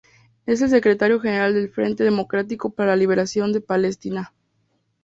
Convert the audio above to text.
Es el secretario General del Frente Democrático para la Liberación de Palestina.